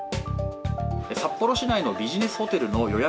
札幌市内のビジネスホテルの予約